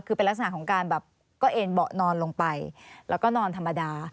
คือเป็นลักษณะของการแบบก็เอ็นเบาะนอนลงไปแล้วก็นอนธรรมดา